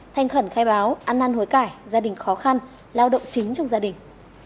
thanh khẩn khai báo ăn năn hối cải gia đình khó khăn lao động chính trong gia đình